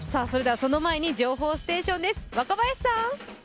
その前に情報ステーションです、若林さん！